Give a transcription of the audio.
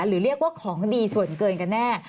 หรือเรียกว่าของดีส่วนเกินกันแน่